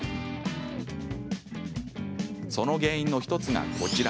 その原因の１つが、こちら。